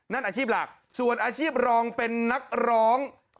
อาชีพหลักส่วนอาชีพรองเป็นนักร้อง